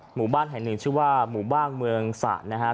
หมู่บ้านไหนหนึ่งชื่อว่าหมู่บ้างเมืองศาสตร์